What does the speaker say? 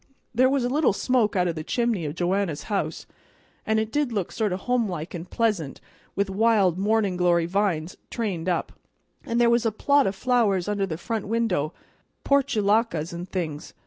There was a little smoke out o' the chimney o' Joanna's house, and it did look sort of homelike and pleasant with wild mornin' glory vines trained up; an' there was a plot o' flowers under the front window, portulacas and things.